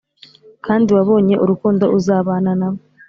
kandi wabonye urukundo uzabana nabo